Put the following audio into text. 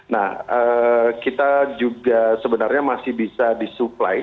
nah kita juga sebenarnya masih bisa disupply